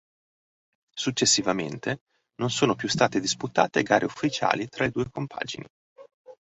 Successivamente non sono più state disputate gare ufficiali tra le due compagini.